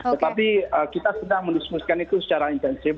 tetapi kita sedang mendiskusikan itu secara intensif